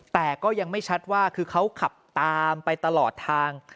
แต่ก็ยังไม่ชัดว่าคือเขาขับตามไปตลอดทาง